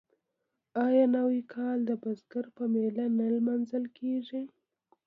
آیا نوی کال د بزګر په میله نه لمانځل کیږي؟